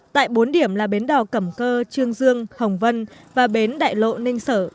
tại bốn điểm là bến đỏ cẩm cơ trương dương hồng vân và bến đại lộ ninh sở